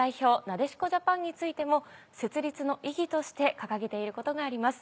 なでしこジャパンについても設立の意義として掲げていることがあります。